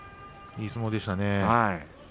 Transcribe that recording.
いい相撲でしたね。